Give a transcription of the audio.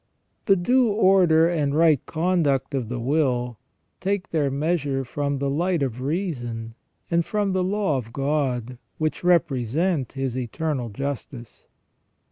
The due order and right conduct of the will take their measure from the light of reason and from the law of God, which represent His Eternal Justice.